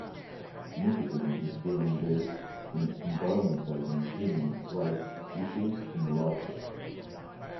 Nikitin is still engaged in environmental and human rights issues in Russia.